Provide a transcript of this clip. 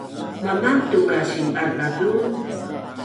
Mamantuk a sinbazbaz un